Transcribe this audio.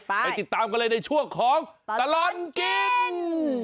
ไปติดตามกันเลยในช่วงของตลอดกิน